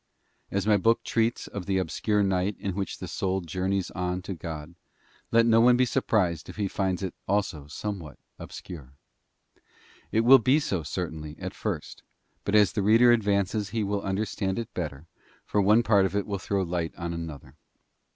As my book treats of the obscure night in which the soul PROLOGUE. journeys on to God, let no one be surprised if he finds it ®% Ors also somewhat obscure. It will be so, certainly, at first, but as the reader advances he will understand it better, for one How part of it will throw light on another.